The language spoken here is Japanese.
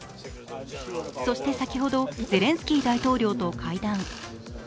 そして先ほど、ゼレンスキー大統領と会談。